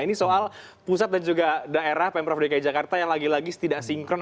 ini soal pusat dan juga daerah pemprov dki jakarta yang lagi lagi tidak sinkron